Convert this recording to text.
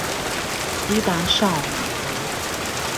伊達邵碼頭